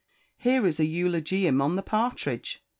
Here is an eulogium on the partridge.